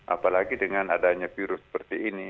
apalagi dengan adanya virus seperti ini